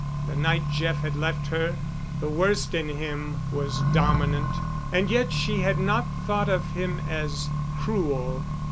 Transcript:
The night Jeff had left her the worst in him was dominant, and yet she had not thought of him as cruel.